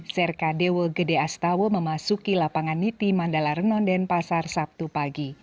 serka dewa gede astawa memasuki lapangan niti mandala renon dan pasar sabtu pagi